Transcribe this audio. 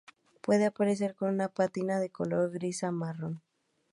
Puede aparecer con una pátina de color gris a marrón.